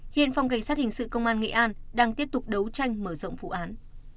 hiện phòng cảnh sát hình sự công an nghệ an đang tiếp tục đấu tranh mở rộng vụ án